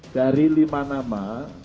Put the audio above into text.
dari lima nama